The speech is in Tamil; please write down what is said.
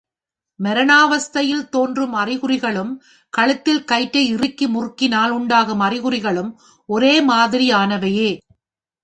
மரணாவஸ்தையில் தோற்றும் அறிகுறிகளும் கழுத்தில் கயிற்றை இறுக்கி முறுக்கினால் உண்டாகும் அறிகுறிகளும் ஒரே மாதிரியானவையே.